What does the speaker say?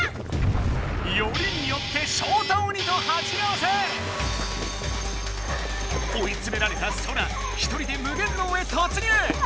よりによってショウタ鬼とはち合わせ！追いつめられたソラ１人で無限牢へ突入！